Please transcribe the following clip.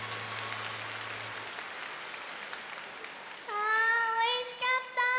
あおいしかった。